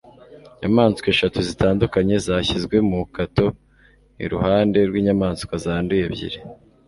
inyamaswa eshatu zitanduye zashyizwe mu kato iruhande rw'inyamaswa zanduye ebyiri